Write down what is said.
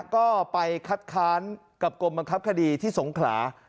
ก็ไปคัดค้านกับกรมบังคับคดีที่สงขลา